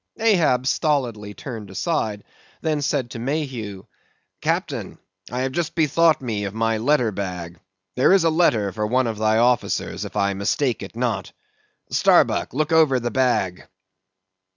Ahab stolidly turned aside; then said to Mayhew, "Captain, I have just bethought me of my letter bag; there is a letter for one of thy officers, if I mistake not. Starbuck, look over the bag."